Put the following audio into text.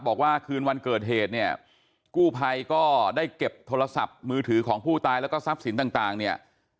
บอกว่าคืนวันเกิดเหตุเนี่ยกู้ภัยก็ได้เก็บโทรศัพท์มือถือของผู้ตายแล้วก็ทรัพย์สินต่างเนี่ย